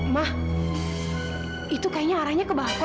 mah itu kayaknya arahnya ke bakon deh mah